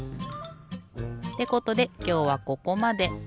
ってことできょうはここまで。